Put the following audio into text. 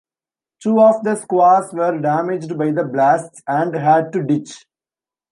Two of the Skuas were damaged by the blasts and had to ditch.